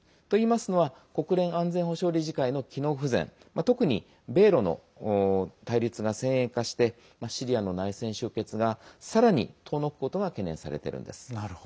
といいますのは国連安全保障理事会の機能不全特に米ロの対立が先鋭化してシリアの内戦終結がさらに遠のくことが懸念されているんです。